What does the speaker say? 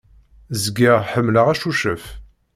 Zgiɣ ḥemmleɣ acucef.